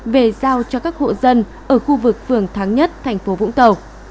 về giao cho các hộ dân ở khu vực phường tháng nhất tp vũng tàu